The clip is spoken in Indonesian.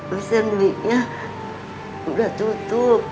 abisan week nya udah tutup